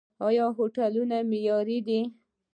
آیا هوټلونه معیاري دي؟